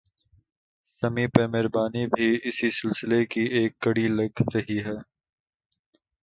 سمیع پر مہربانی بھی اسی سلسلے کی ایک کڑی لگ رہی ہے